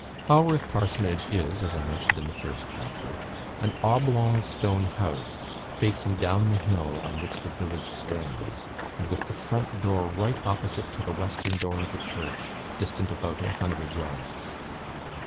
Haworth Parsonage is as I mentioned in the first chapter an oblong stone house, facing down the hill on which the village stands, and with the front door right opposite to the western door of the church, distant about a hundred yards.